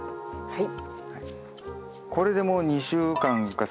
はい。